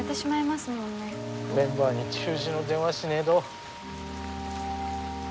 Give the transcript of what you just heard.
メンバーに中止の電話しねえど。